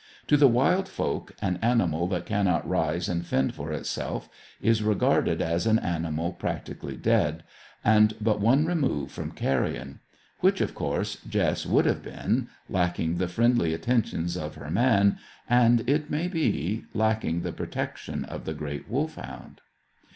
To the wild folk, an animal that cannot rise and fend for itself is regarded as an animal practically dead, and but one remove from carrion; which, of course, Jess would have been, lacking the friendly attentions of her man, and, it may be, lacking the protection of the great Wolfhound.